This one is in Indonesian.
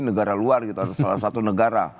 negara luar gitu salah satu negara